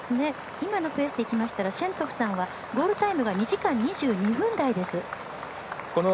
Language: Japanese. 今のペースでいったらシェントゥフさんはゴールタイム２時間２２分台です。